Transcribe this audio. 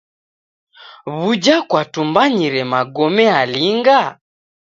W'uja kwatumbanyire magome alinga?